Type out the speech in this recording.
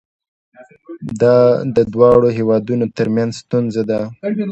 دا د دواړو هیوادونو ترمنځ ستونزه ده.